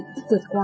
thích tuyệt quá